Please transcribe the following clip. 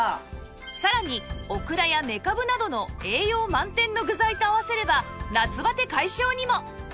さらにオクラやめかぶなどの栄養満点の具材と合わせれば夏バテ解消にも！